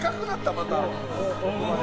また。